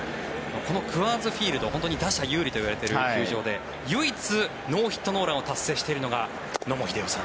このクアーズ・フィールドは本当に打者有利と言われている球場で唯一ノーヒット・ノーランを達成しているのが野茂英雄さん。